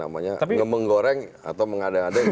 menggoreng atau mengada ada